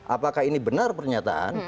apakah ini benar pernyataan